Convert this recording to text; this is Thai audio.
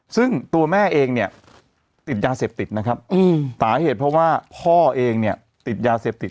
ซึ่งตัวแม่เองเนี่ยติดยาเสพติดนะครับสาเหตุเพราะว่าพ่อเองเนี่ยติดยาเสพติด